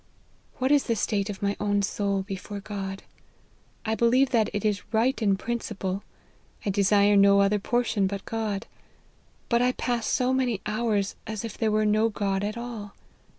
" What is the state of my own soul before God ? I believe that it is right in principle : I desire no other portion but God : but I pass so many ho\irs as if there were no God at all.